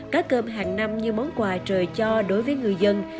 cá cơm hàng năm như món quà trời cho đối với người dân